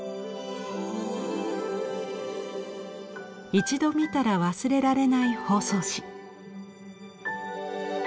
一度見たら忘れられない包装紙。